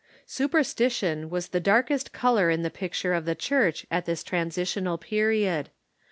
Superstition was the darkest color in the picture of the Church at this transitional period.